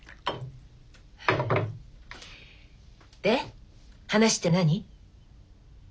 で話って何？